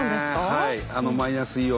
はい。